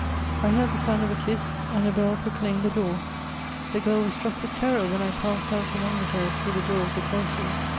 I heard the sound of a kiss, and a bell proclaimed the dawn. The girl was struck with terror when I passed out along with her through the door of the cloisters.